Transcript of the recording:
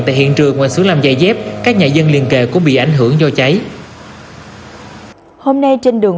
từ đường ngoài xuống làm dày dép các nhà dân liền kề cũng bị ảnh hưởng do cháy hôm nay trên đường